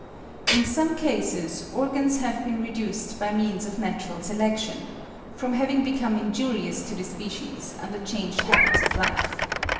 In some cases, organs have been reduced by means of natural selection, from having become injurious to the species under changed habits of life.